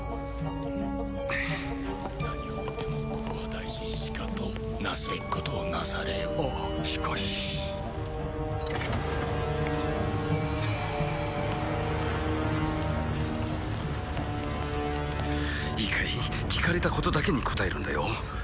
何をおいてもここは大臣しかとなすべきことをなされよああしかしいいかい聞かれたことだけに答えるんだよ